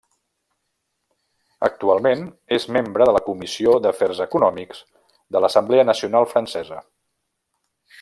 Actualment és membre de la Comissió d'Afers Econòmics de l'Assemblea Nacional Francesa.